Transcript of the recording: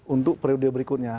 untuk periode berikutnya